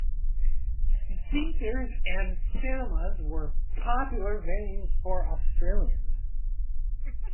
Theatres and cinemas were popular venues for Australians.